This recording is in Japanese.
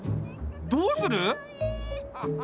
どうする？